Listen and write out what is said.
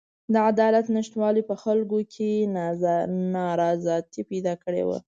د عدالت نشتوالي په خلکو کې نارضایتي پیدا کړې وه.